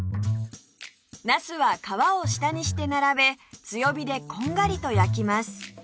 なすは皮を下にして並べ強火でこんがりと焼きます